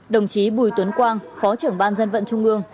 đồng chí bùi tuấn quang phó trưởng ban dân vận trung ương